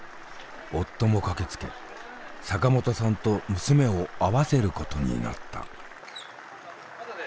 夫も駆けつけ坂本さんと娘を会わせることになった。